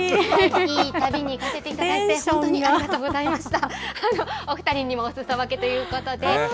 いい旅をさせていただいてありがとうございました。